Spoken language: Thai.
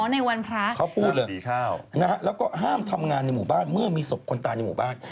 ในวันพระเขาพูดเลยแล้วก็ห้ามทำงานในหมู่บ้านเมื่อมีศพคนตายในหมู่บ้าน